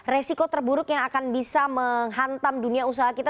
resiko terburuk yang akan bisa menghantam dunia usaha kita